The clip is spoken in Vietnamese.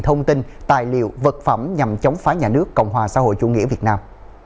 thông tin tài liệu vật phẩm nhằm chống phá nhà nước cộng hòa xã hội chủ nghĩa việt nam